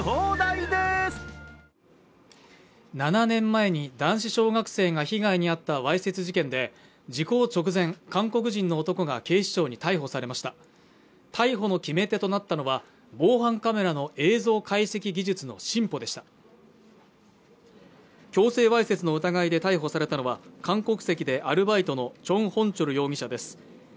７年前に男子小学生が被害に遭ったわいせつ事件で時効直前韓国人の男が警視庁に逮捕されました逮捕の決め手となったのは防犯カメラの映像解析技術の進歩でした強制わいせつの疑いで逮捕されたのは韓国籍でアルバイトのチョン・ホンチョル容疑者です